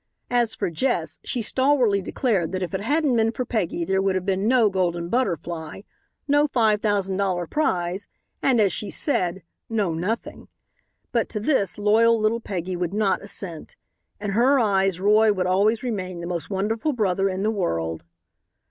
As for Jess, she stalwartly declared that if it hadn't been for Peggy there would have been no Golden Butterfly, no five thousand dollar prize, and, as she said, "no nothing." But to this loyal little Peggy would not assent. In her eyes Roy would always remain the most wonderful brother in the world.